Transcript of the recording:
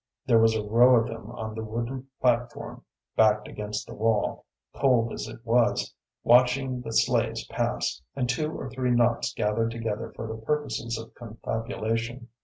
There was a row of them on the wooden platform (backed against the wall), cold as it was, watching the sleighs pass, and two or three knots gathered together for the purposes of confabulation.